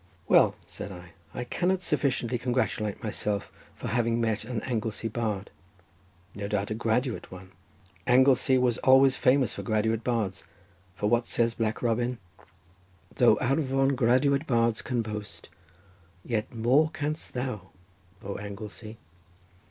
"Well," said I, "I cannot sufficiently congratulate myself, for having met an Anglesey bard—no doubt a graduate one. Anglesey was always famous for graduate bards, for what says Black Robin? "'Though Arvon graduate bards can boast, Yet more canst thou, O Anglesey.